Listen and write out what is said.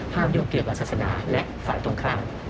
ห้ามยกเกี่ยวกับศาสนาและฝ่าตรงข้าง